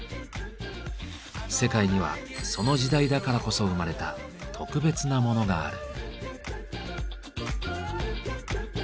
世界にはその時代だからこそ生まれた特別なモノがある。